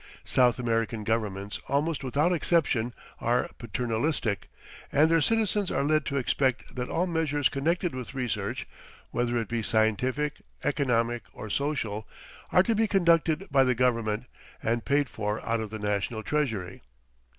South American governments almost without exception are paternalistic, and their citizens are led to expect that all measures connected with research, whether it be scientific, economic, or social, are to be conducted by the government and paid for out of the national treasury.